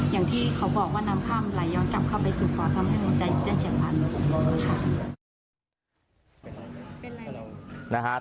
อย่างที่เขาบอกว่าน้ำคร่ำไหลย้อนกลับเข้าไปสูงความหัวใจหัวใจยุ่งเตือนเฉียบพันธุ์